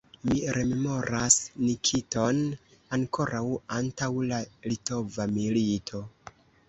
Mi rememoras Nikiton ankoraŭ antaŭ la litova milito.